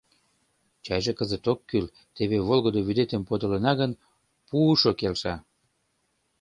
Чайже кызыт ок кӱл, теве волгыдо вӱдетым подылына гын, пушо келша.